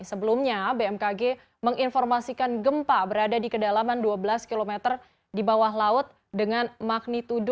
sebelumnya bmkg menginformasikan gempa berada di kedalaman dua belas km di bawah laut dengan magnitudo